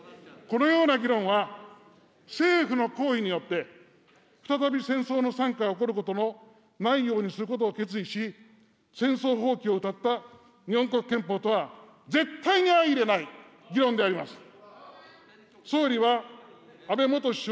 このような議論は、政府の行為によって再び戦争の惨禍が起こることのないように決意し、戦争放棄をうたった日本国憲法とは絶対に相いれない議論であります。